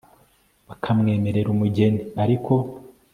bakamwemerera umugeni ariko